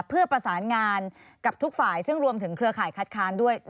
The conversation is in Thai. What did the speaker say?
เพื่อประสานงานกับทุกฝ่ายซึ่งรวมถึงเครือข่ายคัดค้านด้วย